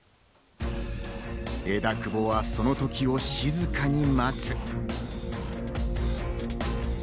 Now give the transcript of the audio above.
枝久保は、その時を静かに待つ。